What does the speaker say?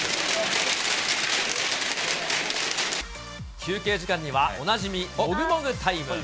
休憩時間にはおなじみもぐもぐタイム。